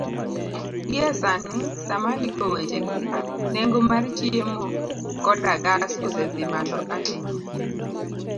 Gie sani, sama andiko wechegi, nengo mar chiemo koda gas osedhi malo ahinya